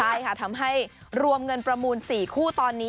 ใช่ค่ะทำให้รวมเงินประมูล๔คู่ตอนนี้